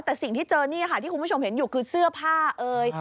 แต่สิ่งที่เจอนี่ค่ะที่คุณผู้ชมเห็นอยู่คือเสื้อผ้าเอ่ย